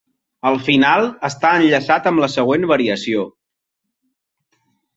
El final està enllaçat amb la següent variació.